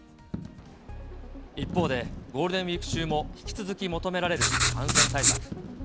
一方で、ゴールデンウィーク中も引き続き求められる感染対策。